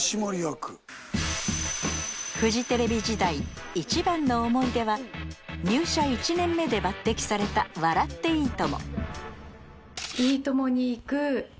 フジテレビ時代一番の思い出は入社１年目で抜てきされた「笑っていいとも！」